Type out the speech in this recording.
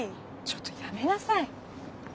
ちょっとやめなさい。